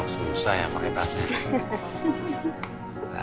su susah yang pake tasnya ini